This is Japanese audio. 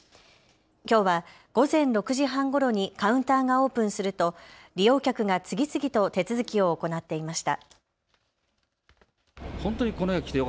きょうは午前６時半ごろにカウンターがオープンすると利用客が次々と手続きを行っていました。